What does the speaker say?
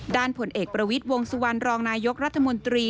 ผลเอกประวิทย์วงสุวรรณรองนายกรัฐมนตรี